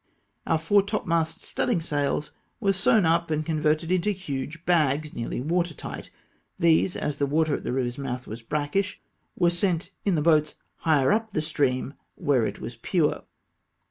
Our foretopmast studding sails were sew^n up and converted into huge bags nearly water tio'ht ; these — as the water at the river's mouth w\as brackish — were sent in the boats higher up the stream where it was pure.